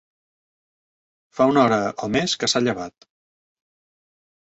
Fa una hora o més que s'ha llevat.